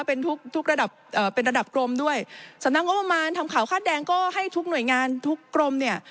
เป็นทุกระดับกรมด้วยสำนักการณ์อมหมาลทำข่าวคลาดแดงก็ให้ทุกหน่วยงานทุกกรมเนี่ย